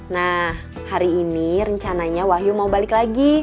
nah hari ini rencananya wahyu mau balik lagi